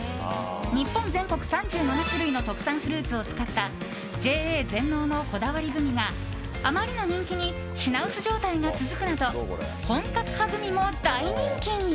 日本全国３７種類の特産フルーツを使ったＪＡ全農のこだわりグミがあまりの人気に品薄状態が続くなど本格派グミも大人気に。